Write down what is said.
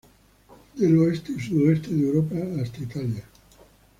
Del oeste y sudoeste de Europa hasta Italia.